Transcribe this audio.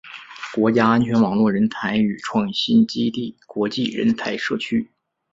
国家网络安全人才与创新基地国际人才社区